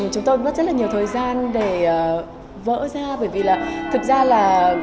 chúng tôi mất rất là nhiều thời gian để vỡ ra bởi vì là thực ra là